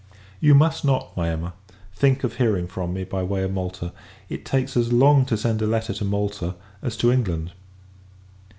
You must not, my Emma, think of hearing from me by way of Malta; it takes as long to send a letter to Malta, as to England.